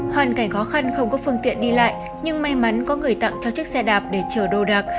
hoàn cảnh khó khăn không có phương tiện đi lại nhưng may mắn có người tặng cho chiếc xe đạp để chở đồ đạc